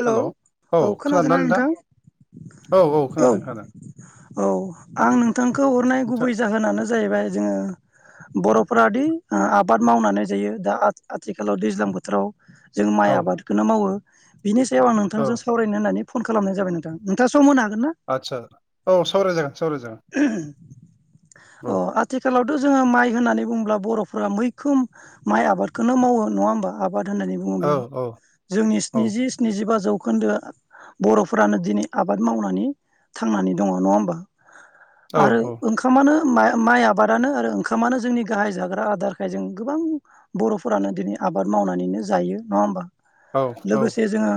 Hello औ खोनादोना नोंथां। औ औ खोनादों खोनादों औ आं नोंथांखौ हरनाय नोंथां गुबै जाहोनानो जाहैबाय जोङो बर'फोरा दि आबाद मावनानै जायो दा आथिखालाव दैज्लां बोथोराव जों माइ औ आबादखोनो मावो बिनि सायाव आं औ नोंथांजों सावरायनो होननानै फन खालामनाय जाबाय नोंथां नोंथां सम होनो हा आदसा औ सावराय जागोन सावराय अ आथिखालाव जोङो माइ होननानै बुंङोब्ला बर'फोरा मैखोम माइ आबादखोनो मावो नङा होमबा आ बाद होननानै औ बुङोब्ला औ जोंनि औ स्निजि स्निजिबा जौ खोन्दो बर'फोरानो दिनै आबाद मावनानै थांनानै दङ नङा होमबा आरो औ ओंखामानो मा माइ आबादानो आरो ओंखामानो जोंनि गाहाय जाग्रा आदारखाय जों गोबां बर'फोरानो दिनि आबाद मावनानैनो जायो नङा होमबा औ औ लोगोसे जोङो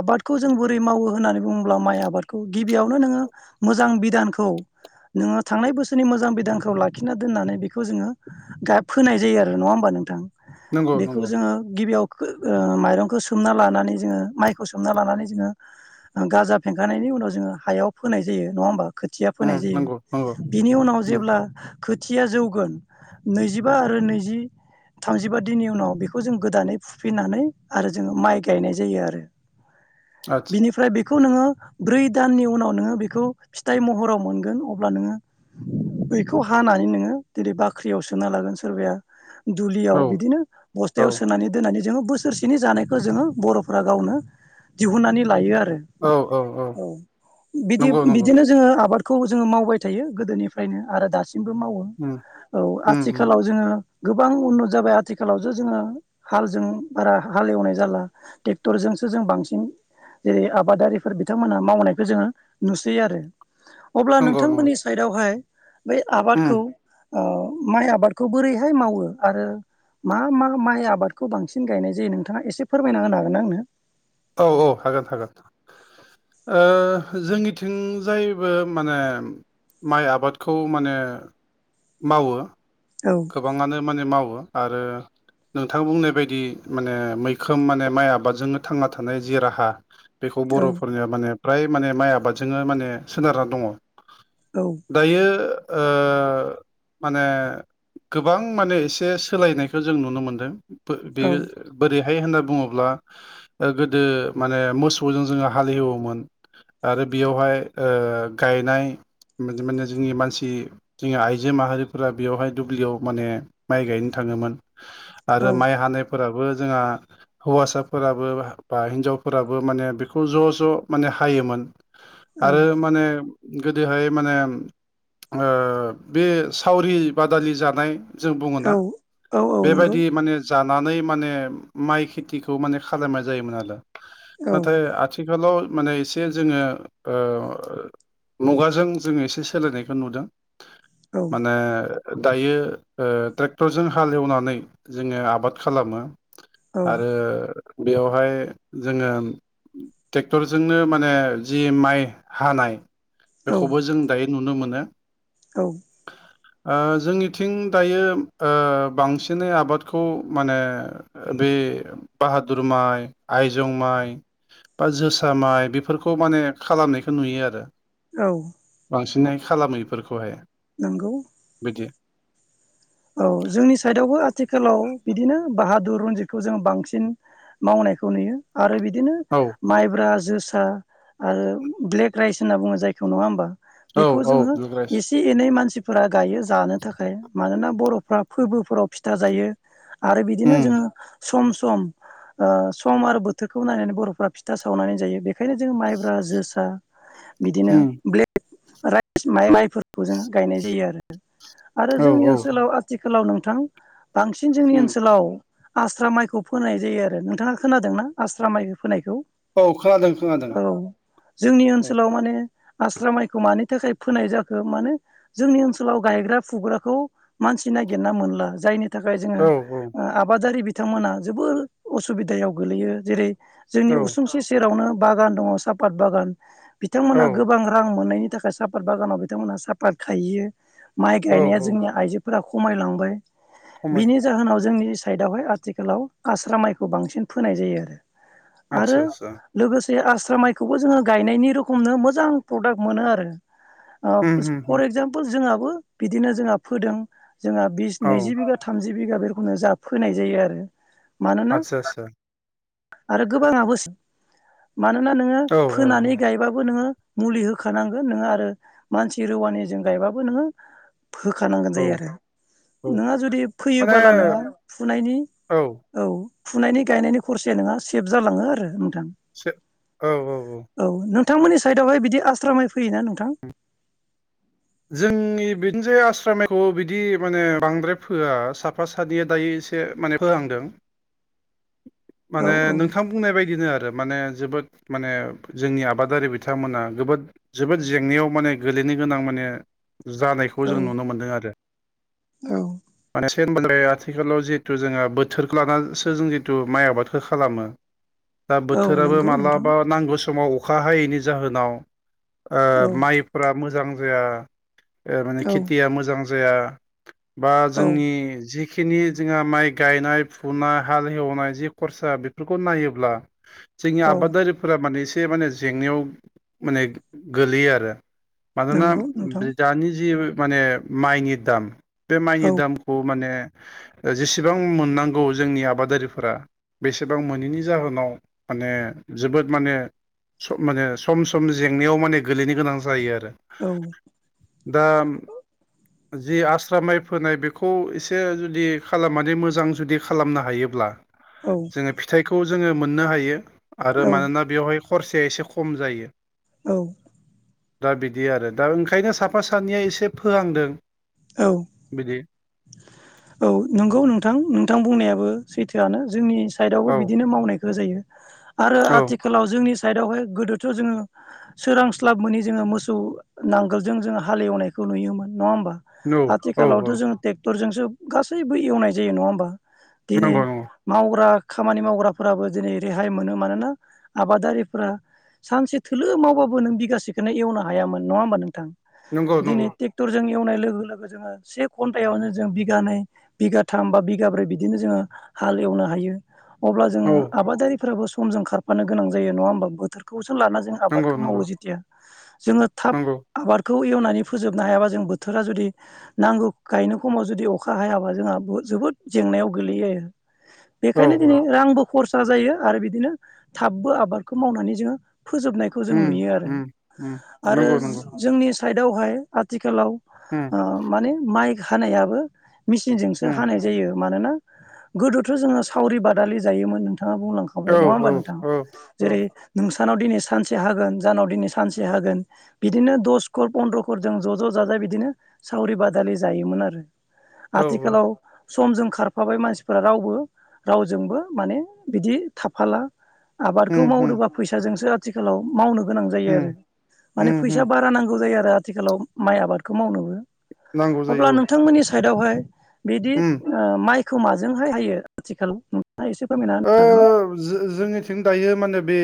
आबादखौ जों बोरै मावो होननानै बुङोब्ला माइ आबादखौ गिबियावनो नोङो मोजां बिदान औ नोङो थांनाय बोसोरनि मोजां बिदानखौ लाखिना दोन्नानै बेखौ जोङो गाब फोनाय जायो आरो नङा होमबा नोंथां। नंगौ बेखौ नंगौ जोङो गिबियाव खो ओ माइरंखौ सोमना लानानै जोङो माइखौ सोमना लानानै जोङो गाजा फेंखांनायनि उनाव जोङो हायाव फोनाय जायो नङा होमबा खोथिया फोनाय उम नंगौ नंगौ जायो बिनि उनाव उम जेब्ला खोथिया जौगोन नैजिबा आरो नैजि थामजिबा दिननि उनाव बेखौ जों गोदानै फुफिनानै आरो जोङो माइ गायनाय जायो आरो आदसा बिनिफ्राय बेखौ नोङो ब्रै दाननि उनाव नोङो बिखौ फिथाइ महराव मोनगोन अब्ला नोङो बेखौ हानानै नोङो दिनै बाख्रियाव सोना लागोन सोरबाया दुलियाव औ बिदिनो औ बस्थायाव सोनानै दोननानै जोङो बोसोरसेनि जानायखौ जोङो बर'फोरा गावनो दिहुननानै लायो आ औ नंगौ बिदि नंगौ बिदिनो जोङो आबादखौ जोङो मावबाय थायो गोदोनिफ्रायनो आरो दासि बो मावो उम औ उम उम आथिखालाव जोङो गोबां उन्न जाबाय आथिखालाव जो जोङो हालजों बारा हाल एवनाय जाला ट्रेक्टरजों सो जों बांसिन जेरै आबादारिफोर बिथांमोनहा मावनायखौ जोङो नु सै आरो अब्ला नंगौ नंगौ नोंथांमोननि साइडआवहाय बै उम आबादखौ माइ आबादखौ बोरैहाय मावो आरो मा मा माइ आबादखौ बांसिन गायनाय जायो नोंथाङा एसे फोरमायना होनोनो हागोन आंनो औ औ हागोन हागोन ओ जोंनिथिं जायबो माने माइ आबादखौ माने मावो औ गोबाङानो माने मावो आरो नोंथां बुंनाय बायदि माने मैखोम माने माइ आबादजोंनो थांना थानाय जि राहा बेखौ औ बर'फोरनिया माने प्राय माने माइ आबादजोंनो माने सोनारना दङ औ दायो ओ माने गोबां माने एसे सोलायनायखौ जों नुनो मोनदों बे औ बोरैहाय होनना बुङोब्ला गोदो माने मोसौजों जोङो हालि एवोमोन आरो बेयावहाय ओ गायनाय माने जोंनि मानसि जोंनि आइजो माहारिफोरा बेवहाय दुब्लियाव माने माइ गायनो थाङोमोन आरो माइ हानायफोराबो जोंहा हौवासाफोराबो बा हिनजावफोराबो माने बेखौ ज' ज' माने हायोमोन आरो माने गोदोहाय माने बे सावरि बादालि जानाय जों औ बुङोना औ औ नंगौ बेबायदि माने जानानै माने माइ खेथिखौ माने खालामनाय जायोमोन आरो औ नाथाय आथिखााल माने एसे जोङो मुगाजों जोङो एसे सोलायनायखौ नुदों औ माने दायो ट्रेक्टरजों हाल एवनानै जोङो आबाद खालामो औ आरो बेयावहाय जोङो ट्रेक्टरजोंनो माने जि माइ हानाय औ बेखौबो जों दायो नुनो मोनो औ ओ जोंनिथिं दायो ओ बांसिनै आबादखौ माने बे बाहादुर माइ आइजं माइ बा जोसा माइ बेफोरखौ माने खालामनायखौ नुयो आरो औ बांसिनहाय खालामैफोरखौहाय नोंगौ औ जोंनि साइदआवबो आथिखालाव बिदिनो बाहादुर रनजितखौ जोङो बांसिन मावनायखौ नुयो आरो बिदि बिदिनो औ माइब्रा जोसा आरो ब्लेक राइस होनना बुङो जायखौ नङा होमबा औ बेखौ औ जोङो ब्लुग राइस एसे एनै मानसिफोरा गायो जानो थाखाय मानोना बर'फ्रा फोरबोफोराव फिथा जायो आरो बिदिनो उम जोङो सम सम ओ सम आरो बोथोरखौ नायनानै बर'फ्रा फिथा सावनानै जायो बेखायनो जों माइब्रा जोसा बिदिनो उम ब्लेक राइस माइ माइफोरखौ जों गायनाय जायो आरो आरो औ जोंनि औ ओनसोलाव आथिखालाव नोंथां बांसिन जोंनि उम ओनसोलाव आस्रा माइखौ फोनाय जायो आरो नोंथाङा खोनादों न आस्रा माइ फोनायखौ औ खोनादों खोनादों औ जोंनि औ ओनसोलाव माने आस्रा माइखौ मानि थाखाय फोनाय जाखो माने जोंनि ओनसोलाव गायग्रा फुग्राखौ मानसि नागिरना मोनला जायनि थाखाय जोङो औ औ ओ आबादारि बि- थांमोना जोबोर असुबिदायाव गोलैयो जेरै जोंनि औ उसुंसि सेरावनो बागान दङ सापात बागान बिथांमोना औ गोबां रां मोननायनि थाखाय सापात बागानाव बिथांमोनहा सापात खायो माइ औ गायनाया औ जोंनि आइजो- फोर खमायलांबाय खमाय बिनि जाहोनाव जोंनि सायदहाय आथिखालाव आस्रा माइखौ बांसिन फोनाय जायो आरो आरो आदसा आदसा लोगोसे जे आस्रा माइखौबो जोङो गायनायनि रोखोमनो मोजां प्रडाक्ट मोनो आरो उम ओ उम फर उम एक्जामपोल जोंहाबो बिदिनो जोंहा फोदों जोंहा बिस औ नैजि बिगा थामजि बिगा बे रखोमनो जा फोनाय जायो आरो। मानोना आदसा आदसा [inaudible] आरो गोबाङाबोसो मानोना नोङो औ औ फोनानै औ गायबाबो नोङो मुलि होखानांगोन नोङो आरो मानसि रुवानिजों गायबाबो नोङो होखानांगोन औ जायो आरो। औ नोंहा जुदि माने फोयोबाला नों औ फुनायनि औ फुनायनि गायनायनि खरसाया नङा सेभ जालाङो आरो। नोंथां [unintelligible] औ औ औ बिथांमोननि साइदआवहाय बिदि आस्रा माय फैयोना नोंथां? जोंनि बिनो जे आस्रा माइखौ बिदि माने बांद्राय फोआ साफा सानैया दायो एसे माने फोहांदों। औ माने नोंथां बुंनाय बायदिनो आरो। माने जोबोद माने जोंनि आबादारि बिथांमोना जबोद जोबोद जेंनायाव माने गोलैनाय गोनां माने जानायखौ जों औ नुनो मोनदों आरो। औ [unintelligible] आथिखालाव जितु जोंहा बोथोरखौ लानासो जों जितु माइ आबादखौ खालामो। दा औ बोथोराबो नंगौ नोंथां माब्लाबा नांगौ समाव अखा हायैनि जाहोनाव ओ औ माइफोरा मोजां जाया, ओ माने औ खेथिया मोजां जाया बा औ जोंनि जि खिनि जोंहा माइ गायनाय फुनाय हाल एवनाय जि खरसा बेफोरखौ नायोब्ला जोंनि औ आबादारिफोरा माने एसे माने जेंनायाव माने गोलैयो आरो। मानोना नंगौ नोंथां दानि जि माने माइनि दाम बे माइनि औ दामखौ माने ओ जेसेबां मोननांगौ जोंनि आबादारिफोरा बेसेबां मोनैनि जाहोनाव माने जोबोद माने स- माने सम सम जेंनायाव माने गोलैनो गोनां जायो आरो। औ दा [inaudible] जि आ स्रा माय फोनाय बेखौ एसे जुदि खालामनानै मोजां जुदि खालामनो हायोब्ला जोङो फिथाइखौ जोङो मोननो हायो आरो मानोना बेवहाय खरसाया एसे खम जायो। औ दा बिदि आरो दा ओंखायनो साफा सानैया एसे फोहांदों। औ बिदि [inaudible] औ नंगौ नोंथां नोंथां बुंनाया बो सैथोआनो जोंनि सायदावबो औ बिदिनो मावनाय जायो आरो औ आथिखालाव जोंनि साइदआवहाय गोदोथ' जोङो सोरांस्लाब मोै जोङो मोसौ नांगोलजों जोङो हालेवनाय खौ नुयोमोन नङा होमबा औ औ आथिखालावथ' औ जों ट्रेक्टरजोंसो गासैबो एवनाय जायो नङा होमबा? दिनै नंगौ नंगौ मावग्रा खामानि मावग्राफोराबो दिनै रेहाय मोनो मानोना आबादारिफोरा सानसे थोलो मावबाबो नों बिगासेखौनो एवनो हायामोन नङा होमबा नोंथां? नंगौ दिनै नंगौ टेक्टरजों एवनाय लोगो लोगो जोङो आरो से घन्टाआवनो जों बिगानै बिगाथाम बिगाब्रै बिदिनो जोङो हाल एवनानै हायो अब्ला औ जोङो आबादारिफोराबो समजों खारफानो गोनां जायो नङा होमबा बोथोरखौ जो लाना जों नंगौ आबादखौ नंगौ मावो जेथिया जोङो थाब नंगौ आबादखौ एवनानै फोजोबनो हायाबा जों बोथोरा जुदि नांगौ गायनो खमाव जुदि अखा हायाबा जोंहा बुहुद जोबोद जेंनायाव गोगलैयो । औ बेखायनो दिनै औ रांबो खरसा जायो आरो बिदिनो थाबबो आबादखौ मावनानै जोङो फोजोबनायखौ जों उम नुयो आरो उम उम । आरो नंगौ नंगौ जोंनि साइडआवहाय आथिखालाव उम ओ माने माइक हानायाबो मेसिनजोंसो उम हानाय जायो । मानोना गोदोथ' जोङो सावरि बादालि जायोमोन नों नोंथाङा औ बुंलांखाबाय नङा होमबा नोंथां औ औ जेरै नोंसो सानाव दिनै सानसे हागोन जानाव दिनै सानसे हागोन बिदिनो दस घर, पन्द्र' घरजों जों ज' -ज', जाजाय बिदिनो सावरि - बादालि जायोमोन आरो । औ औ आथिखालाव समजों खारफाबाय मानसिफोरा रावबो रावजोंबो माने बिदि थाफाला । आबादखौ उम उम मावदोबाबा फैसाजोंसो आथिखालाव मावनो गोनां जायो आरो उम माने उम फैसा उम बारा नांगौ जायो आरो आथिखालाव माइ आबादखौ मावनोबो नांगौ । अब्ला जायो औ नोंथांमोननि साइदावहाय बिदि उम ओ माइ खोमाजोंहाय हायो आथिखाल नों ओ जो जोंनिथिं दायो माने बे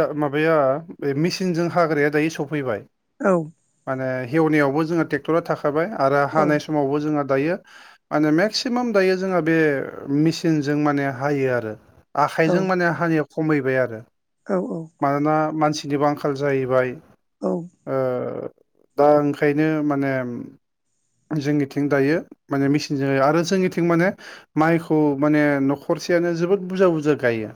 दा माबाया बे मेसिनजों हाग्राया दायो सफैबाय । औ । माने हेवनायावबो जोङा ट्रेक्टरा थाखाबाय आरो औ हानाय समावबो जोंहा दायो माने मेक्सिमाम दायो जोंहा बे मेसिनजों माने हायो आरो । औ आखाइजों माने हानिया खमायबाय आरो औ मानोना मानसिनिबो आंखाल जाहैबाय । औ ओ दा ओंखायनो माने जोंनिथिं दायो माने मेसिनजों आरो जोंनिथिं माने माइखौ माने न'खर सेयानो जोबोद बुरजा- बुरजा गायो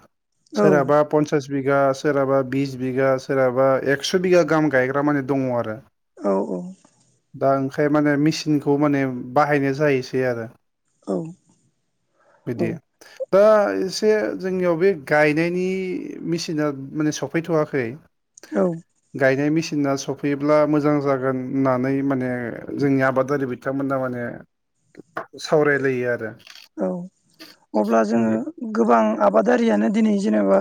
औ सोराबा पनसास बिगा सोरहाबा बिस बिगा सोरहाबा एकस' बिगा गाहाम गायग्रा माने दङ आरो । औ - औ । दा ओंखाय माने मेसिनखौ माने बाहायनाय जाहैसै आरो । औ बिदि दा इस से जोंनियाव बे गायनायनि मेसिना माने सफैथ'वाखै औ । गायनाय मेसि ना सफैयोब्ला मोजां जागोन होननानै माने जोंनि आबादारि बिथांमोना माने सावरायलायो आरो । औ अब्ला जोङो ओम गोबां आबादारियानो दिनै जेनेबा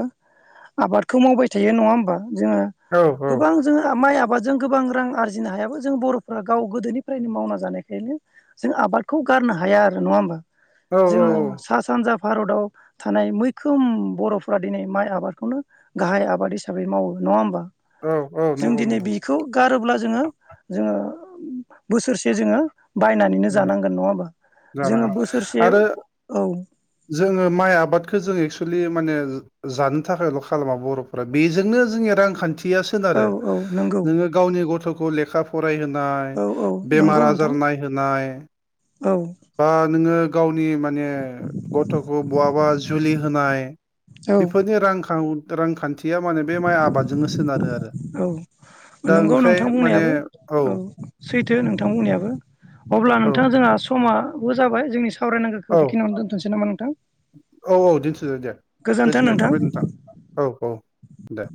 आबादखौ मावबाय थायो नङा होमबा? जोङो औ गोबां जोङो माइ आ जों गोबां रां आरजिनो हायाबो जों बर'फोरा गाव गोदोनिफ्रायनो मावना जानायखायनो जों आबादखौ गारनो हाया आरो नङा होमबा औ जोङो सा सानजा भारताव थानाय मैखोम बर'फोरा दिनै माइ आबादखौनो गाहाय आबाद हिसाबै मावो । नङा होमबा? औ - औ जों दिनै नंगौ-नंगौ । बेखौ गारोब्ला जोङो - जोङो बोसोरसे जोङो बायनानैनो उम जानांगोन नङा होमबा जोङो जानांगोन बुस आरो जोङो माइ आबादखौ जोङो एस एक्सलि माने जानो थाखायल' खालामा बर'फोरा बेजोंनो जोंनिया रांखान्थि या औ सोनारो औ नंगौ नोङो गावनि गथ'खौ लेखा फ राय होनाय औ औ बेमार नंगौ आजार नोंथां नायसोमनाय औ बा नोङो गाव नि माने गथ'खौ बहाबा जुलि होनाय औ बेफोरनि रांखां रांखान्थि खाथिया माने बे माइ आबादजोंनो सोनारो आरो औ दा नंगौ ओंखाय नोंथां माने बुंनायाबो औ । सैथो नोंथां बुंनायाबो अब्ला औ नोंथा जोंहा समाबो जाबाय जोंनि सावरायनांगोखौ औ बिखिनियावनो दोनथनोसै नामा नोंथां औ - औ दोनथ'दो दे गोजोननाय थाबाय नोंथां औ औ दे